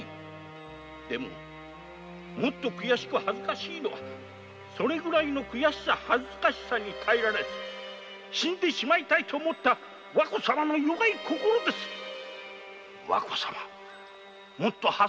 でももっと悔しく恥ずかしいのはそれぐらいの悔しさ恥ずかしさに耐えられず死んでしまいたいと思う弱い心ですわ子様